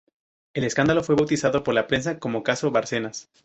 El escándalo fue bautizado por la prensa como caso Bárcenas.